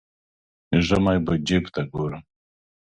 ژمی به جیب ته ګورم.